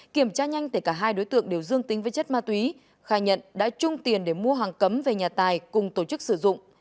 kiểm tra nhanh tể cả hai đối tượng đều dương tính với chất ma túy khai nhận đã chung tiền để mua hàng cấm về nhà tài cùng tổ chức sử dụng